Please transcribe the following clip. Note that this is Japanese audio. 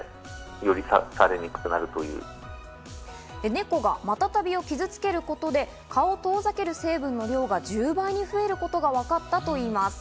猫がマタタビを傷つけることで蚊を遠ざける成分の量が１０倍に増えることがわかったといいます。